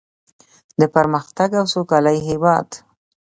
د پرمختګ او سوکالۍ هیواد.